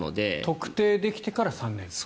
特定できてから３年と。